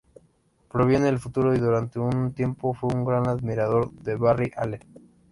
Proviene del futuro y durante un tiempo fue un gran admirador de Barry Allen.